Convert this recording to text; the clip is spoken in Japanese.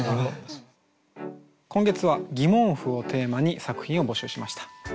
今月は「？」をテーマに作品を募集しました。